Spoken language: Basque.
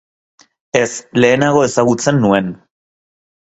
Ez, lehenago ezagutzen nuen.